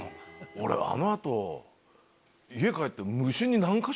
俺あの後家帰って。